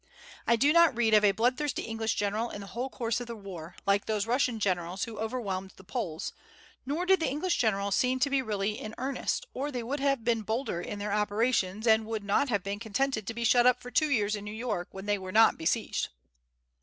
I do not read of a bloodthirsty English general in the whole course of the war, like those Russian generals who overwhelmed the Poles; nor did the English generals seem to be really in earnest, or they would have been bolder in their operations, and would not have been contented to be shut up for two years in New York when they were not besieged.